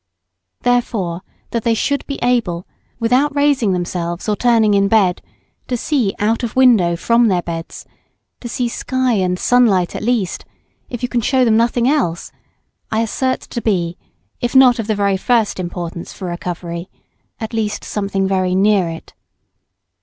Therefore, that they should be able, without raising themselves or turning in bed, to see out of window from their beds, to see sky and sun light at least, if you can show them nothing else, I assert to be, if not of the very first importance for recovery, at least something very near it.